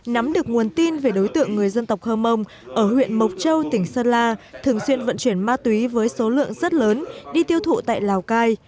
nắm được nguồn tin về đối tượng người dân tộc hơ mông ở huyện mộc châu tỉnh sơn la thường xuyên vận chuyển ma túy với số lượng rất lớn đi tiêu thụ tại lào cai